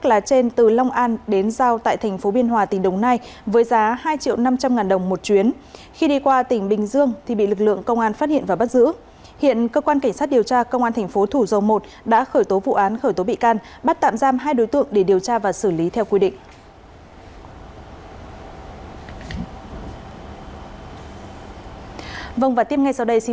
hiện cơ quan cảnh sát điều tra công an tp thủ dầu một đã khởi tố vụ án khởi tố bị can bắt tạm giam hai đối tượng để điều tra và xử lý theo quy định